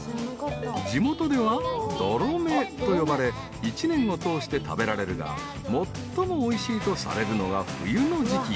［地元ではどろめと呼ばれ１年を通して食べられるが最もおいしいとされるのが冬の時季］